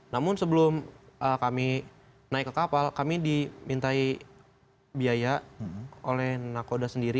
namun sebelum kami naik ke kapal kami dimintai biaya oleh nakoda sendiri